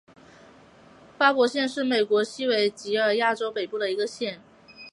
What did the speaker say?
巴伯县是美国西维吉尼亚州北部的一个县。